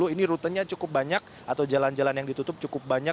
ini rutenya cukup banyak atau jalan jalan yang ditutup cukup banyak